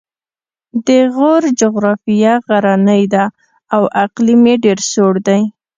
د غور جغرافیه غرنۍ ده او اقلیم یې ډېر سوړ دی